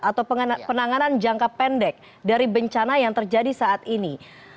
atau penanganan jangka pendek dari bencana yang terjadi saat ini